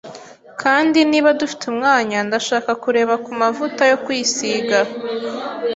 Kandi niba dufite umwanya, ndashaka kureba ku mavuta yo kwisiga.